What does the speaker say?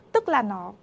tức là nó